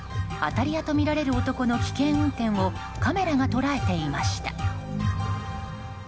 当たり屋とみられる男の危険運転をカメラが捉えていました。